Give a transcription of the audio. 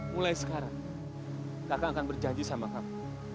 mulai sekarang kakak akan berjanji sama kamu